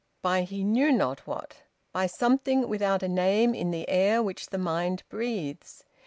By he knew not what. By something without a name in the air which the mind breathes.